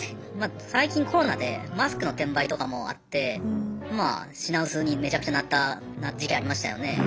最近コロナでマスクの転売とかもあってまあ品薄にめちゃくちゃなった時期ありましたよね。